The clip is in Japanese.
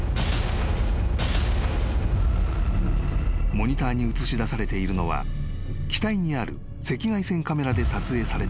［モニターに映し出されているのは機体にある赤外線カメラで撮影された映像］